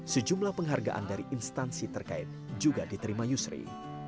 sejumlah penghargaan dari instansi terkait juga diterima yusri